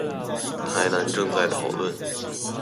台南正在討論